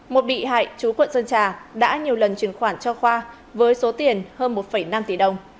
một bị hại chú quận sơn trà đã nhiều lần chuyển khoản cho khoa với số tiền hơn một năm tỷ đồng